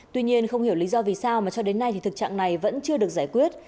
tuy nhiên không hiểu lý do vì sao mà cho đến nay thì thực trạng này vẫn chưa được giải quyết